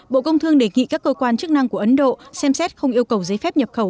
bộ công thương đề nghị các cơ quan chức năng của ấn độ xem xét không yêu cầu giấy phép nhập khẩu